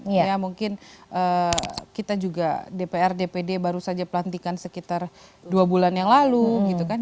ya mungkin kita juga dpr dpd baru saja pelantikan sekitar dua bulan yang lalu gitu kan